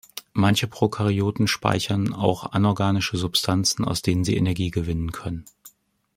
Manche Prokaryoten speichern auch anorganische Substanzen, aus denen sie Energie gewinnen können.